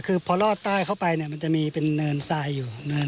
คือพอลอดใต้เข้าไปมันจะมีเป็นเนินทรายอยู่